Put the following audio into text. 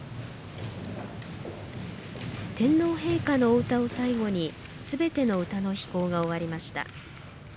天皇陛下のお歌を最後にすべての歌の披講が終わりました。